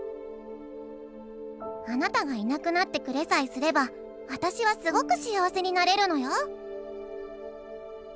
「あなたがいなくなってくれさえすれば私はすごく幸せになれるのよ！」。